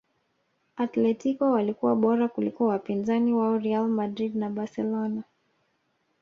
atletico walikuwa bora kuliko wapinzani wao real madrid na barcelona